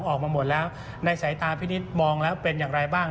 ออกมาหมดแล้วในสายตาพี่นิดมองแล้วเป็นอย่างไรบ้าง